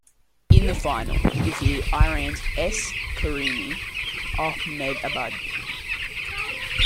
In the final he defeated Iran's S Karimi Ahmedabad.